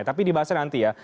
tapi dibahasnya nanti ya